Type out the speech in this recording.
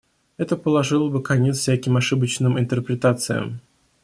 Это положило бы конец всяким ошибочным интерпретациям.